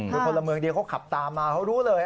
คือพลเมืองดีเขาขับตามมาเขารู้เลย